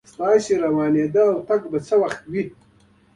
تاس روانیدتک به څه وخت وین